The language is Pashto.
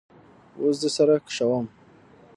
وس دي سره کشوم